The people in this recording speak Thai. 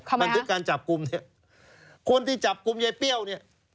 สำหรับการจับกลุ่มคนที่จับกลุ่มไอ้เปรี้ยวนี่